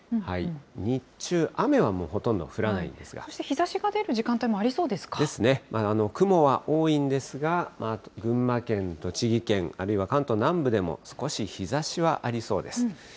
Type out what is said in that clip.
日中、雨はもうほとんど降らないそして日ざしが出る時間帯もですね、雲は多いんですが、群馬県、栃木県、あるいは関東南部でも少し日ざしはありそうです。